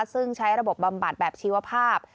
ซึ่งใช้ระบบบำบัดแบบชีวภาพ